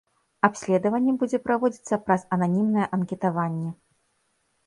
Абследаванне будзе праводзіцца праз ананімнае анкетаванне.